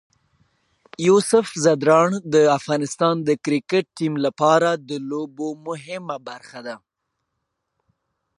یوسف ځدراڼ د افغانستان د کرکټ ټیم لپاره د لوبو مهمه برخه ده.